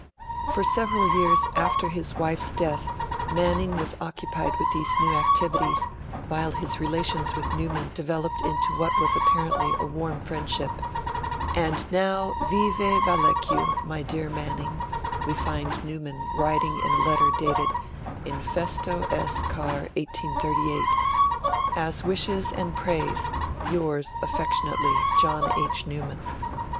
For several years after his wife's death, Manning was occupied with these new activities, while his relations with Newman developed into what was apparently a warm friendship. 'And now vive valeque, my dear Manning', we find Newman writing in a letter dated 'in festo S. Car. 1838', 'as wishes and prays yours affectionately, John H. Newman'.